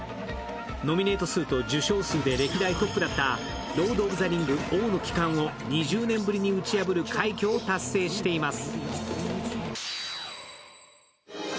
ノミネート数と受賞数で歴代トップだった「ロード・オブ・ザ・リング王の帰還」を２０年ぶりに打ち破る快挙をという達成しています。